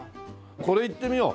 これいってみよう。